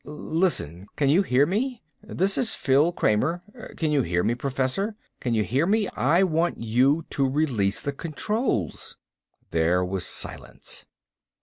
"Listen! Can you hear me? This is Phil Kramer. Can you hear me, Professor. Can you hear me? I want you to release the controls." There was silence.